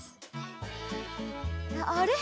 あれ？